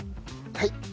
はい。